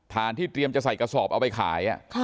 ที่เตรียมจะใส่กระสอบเอาไปขาย